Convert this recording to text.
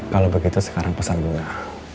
kalau begitu sekarang pesan gula